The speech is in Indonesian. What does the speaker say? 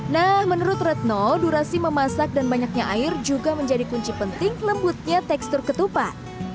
nah menurut retno durasi memasak dan banyaknya air juga menjadi kunci penting lembutnya tekstur ketupat